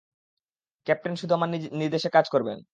Captain, শুধু আমার নির্দেশে কাজ করবেন!